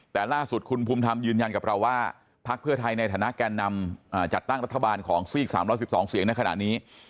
แต่ล่าสุดคุณภูมิธรรมยืนยันกับเราว่าพักเพื่อไทยในฐานะแก่นำจัดตั้งรัฐบาลของซีก๓๑๒เสียงในขณะนี้